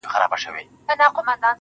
چي در رسېږم نه، نو څه وکړم ه ياره,